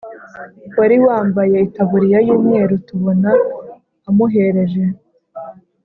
wari wambaye itaburiya y’umweru tubona amuhereje